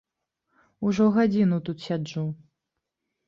Ужо гадзіну тут сяджу.